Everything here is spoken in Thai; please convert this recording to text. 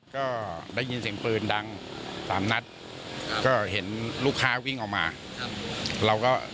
ก็ได้ยินเสียงปืนดังสามนัดก็เห็นลูกค้าวิ่งออกมาครับเราก็